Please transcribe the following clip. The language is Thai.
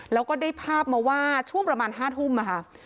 แล้วก็ได้ภาพมาว่าช่วงประมาณ๕ทุ่มค่ะ